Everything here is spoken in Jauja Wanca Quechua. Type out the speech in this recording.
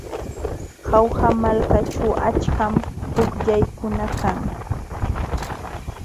Jauja malkaćhu achkam pukllaykuna kan.